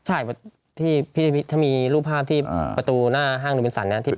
ใช่ถ้ามีรูปภาพที่ประตูหน้าห้างดูเบนสันนะ